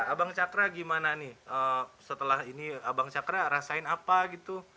abang cakra gimana nih setelah ini abang cakra rasain apa gitu